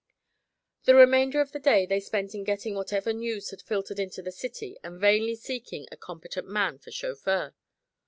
The remainder of the day they spent in getting whatever news had filtered into the city and vainly seeking a competent man for chauffeur.